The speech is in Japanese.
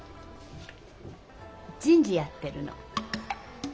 人事やってるの。